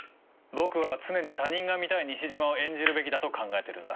僕は常に他人が見たい西島を演じるべきだと考えてるんだ。